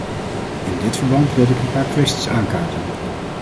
In dit verband wilde ik een paar kwesties aankaarten.